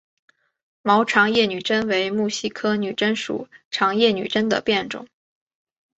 毛长叶女贞为木犀科女贞属长叶女贞的变种。